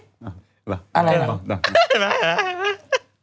หรออะไรหรอเห็นไหมหรอ